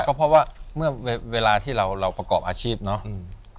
ก็เพราะว่าเมื่อเวลาที่เราประกอบอาชีพเนาะ